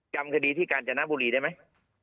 จำคดีที่กาญจนบุรีได้ไหม